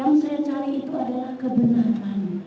yang saya cari itu adalah kebenaran